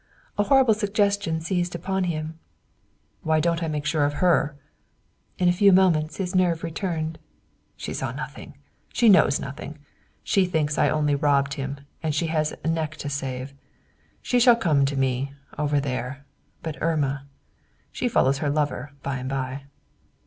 A horrible suggestion seized upon him. "Why don't I make sure of her?" In a few moments his nerve returned. "She saw nothing. She knows nothing. She thinks I only robbed him, and she has a neck to save. She shall come to me over there. But Irma she follows her lover, by and by."